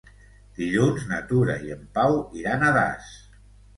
Dilluns na Tura i en Pau iran a Das.